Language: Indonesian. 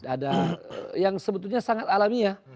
ada yang sebetulnya sangat alamiah